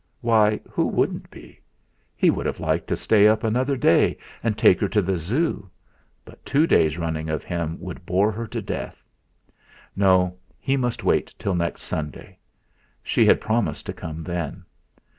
Why! Who wouldn't be! He would have liked to stay up another day and take her to the Zoo, but two days running of him would bore her to death. No, he must wait till next Sunday; she had promised to come then.